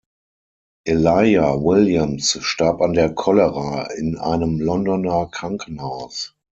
Elijah Williams starb an der Cholera in einem Londoner Krankenhaus.